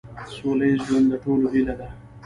سوله ایز ژوند د ټولو هیله ده.